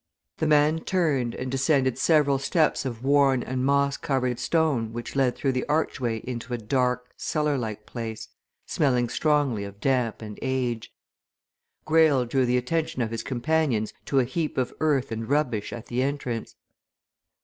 The man turned and descended several steps of worn and moss covered stone which led through the archway into a dark, cellar like place smelling strongly of damp and age. Greyle drew the attention of his companions to a heap of earth and rubbish at the entrance.